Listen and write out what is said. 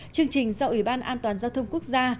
chương trình do ủy ban an toàn giao thông quốc gia